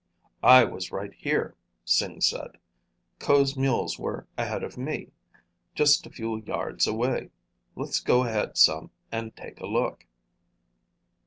"I was right here," Sing said. "Ko's mules were ahead of me, just a few yards away. Let's go ahead some and take a look."